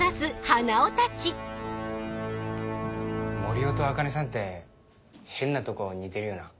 森生と茜さんって変なとこ似てるよな。